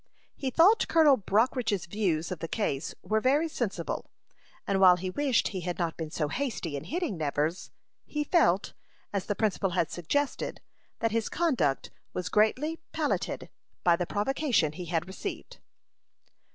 He thought Colonel Brockridge's views of the case were very sensible: and while he wished he had not been so hasty in hitting Nevers, he felt, as the principal had suggested, that his conduct was greatly palliated by the provocation he had received.